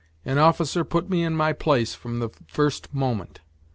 An officer put me in my place from the first moment.